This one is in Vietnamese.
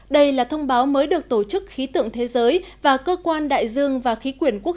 đây là thông báo mới được tổ chức khí tượng thế giới và cơ quan đại dương và khí quyển quốc